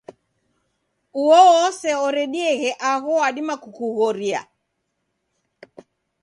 Uo ose oreidieghe agho wadima kukughoria.